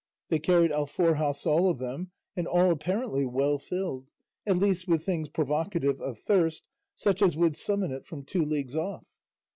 They carried alforjas all of them, and all apparently well filled, at least with things provocative of thirst, such as would summon it from two leagues off.